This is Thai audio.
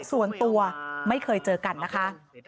ส่วนตัวไม่เคยเจอกันนะคะ